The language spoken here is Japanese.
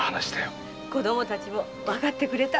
子供たちもみんなわかってくれた。